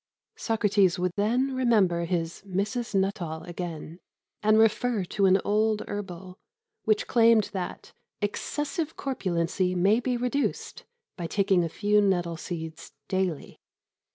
Socrates would then remember his Mrs. Nuttall again, and refer to an old herbal which claimed that "excessive corpulency may be reduced" by taking a few nettle seeds daily.